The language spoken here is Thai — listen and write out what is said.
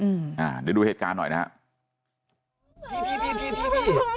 อืมอ่าเดี๋ยวดูเหตุการณ์หน่อยนะฮะ